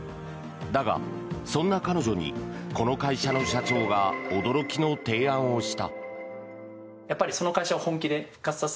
だが、そんな彼女にこの会社の社長が驚きの提案をした。